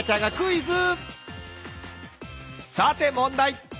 さて問題。